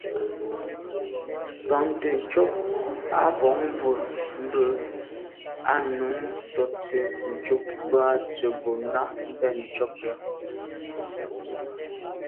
(swatəncob à bwôgmbwə̀ mbwɔ̂ α̂ nǔm bα̌ to’tə ncob boὰ tsə̀ bò nâ’ ndɛ̂n ncob lα.